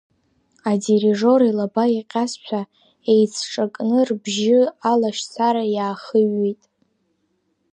Адирижиор илаба иҟьазшәа, еицҿакны рбжьы алашьцара иаахыҩҩит.